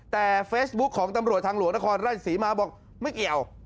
แต่เฟซบุ๊คของตำรวจทางหลวงนครราชศรีมาบอกไม่เกี่ยว